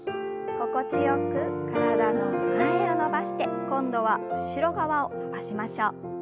心地よく体の前を伸ばして今度は後ろ側を伸ばしましょう。